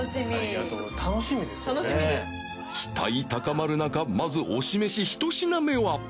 期待高まる中まず推しメシ１品目は遠藤）